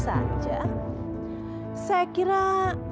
istrinya ngejar ngejar nadia terus